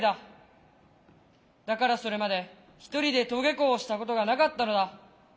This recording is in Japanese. だからそれまで一人で登下校をしたことがなかったのだ。